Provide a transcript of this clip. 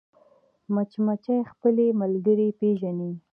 مچمچۍ خپلې ملګرې پېژني